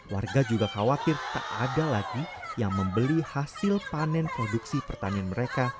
warga juga khawatir tak ada lagi yang membeli hasil panen produksi pertanian mereka